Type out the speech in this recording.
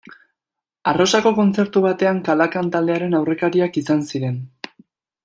Arrosako kontzertu batean Kalakan taldearen aurrekariak izan ziren.